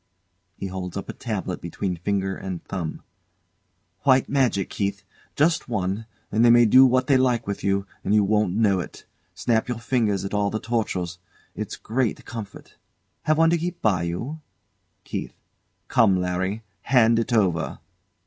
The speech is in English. [He holds up a tabloid between finger and thumb] White magic, Keith! Just one and they may do what they like to you, and you won't know it. Snap your fingers at all the tortures. It's a great comfort! Have one to keep by you? KEITH. Come, Larry! Hand it over.